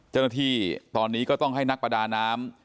เจ้าหน้าที่ตอนนี้ก็ต้องให้นักประดาน้ำ